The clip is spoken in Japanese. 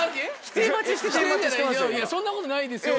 「そんなことないですよ」